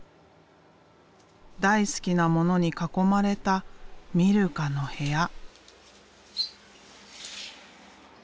大好きなものに囲まれたミルカの部屋。